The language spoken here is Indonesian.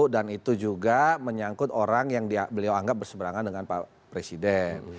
dan itu juga menyangkut orang yang beliau anggap berseberangan dengan pak presiden